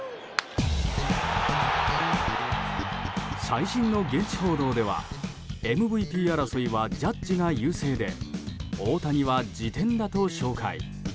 最新の現地報道ではＭＶＰ争いはジャッジが優勢で大谷は次点だと紹介。